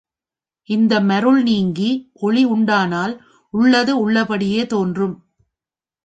இந்த மருள் நீங்கி ஒளி உண்டானால் உள்ளது உள்ளபடியே தோன்றும்.